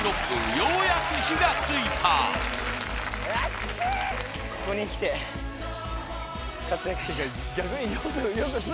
ようやく火がついたあっつい！